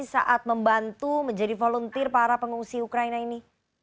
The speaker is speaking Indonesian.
saat membantu menjadi volunteer para pengungsi ukraina ini